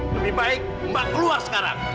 lebih baik mbak keluar sekarang